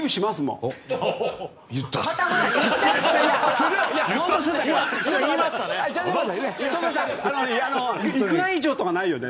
そんなさいくら以上とかないよね？